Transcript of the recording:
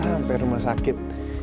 udah sampai rumah sakit